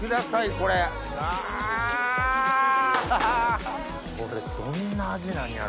これどんな味なんやろ？